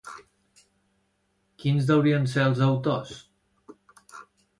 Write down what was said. Quins deurien ser els autors?